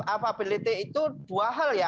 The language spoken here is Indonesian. capability itu dua hal ya